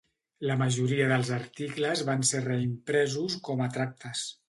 La majoria dels articles van ser reimpresos com a tractes.